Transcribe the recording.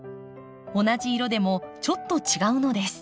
同じ色でもちょっと違うのです。